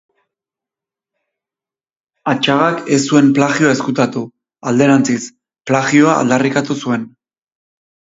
Atxagak ez zuen plagioa ezkutatu, alderantziz, plagioa aldarrikatu zuen.